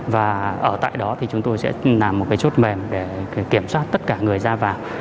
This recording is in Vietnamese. và ở tại đó chúng tôi sẽ làm một chốt mềm để kiểm soát tất cả người ra vào